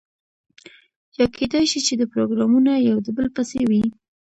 یا کیدای شي چې دا پروګرامونه یو د بل پسې وي.